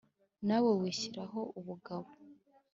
na we wishyiriraho ubugabo,